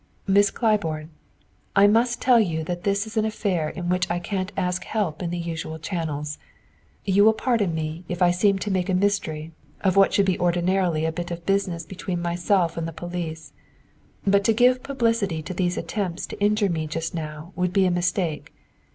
"Miss Claiborne, I must tell you that this is an affair in which I can't ask help in the usual channels. You will pardon me if I seem to make a mystery of what should be ordinarily a bit of business between myself and the police; but to give publicity to these attempts to injure me just now would be a mistake.